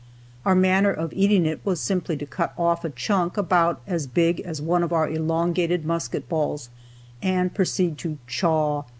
Our manner of eating it was simply to cut off a chunk about as big as one of our elongated musket balls, and proceed to "chaw."